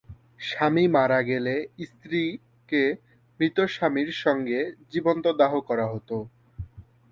স্বামী মারা গেলে স্ত্রীকে মৃত স্বামীর সঙ্গে জীবন্ত দাহ করা হত।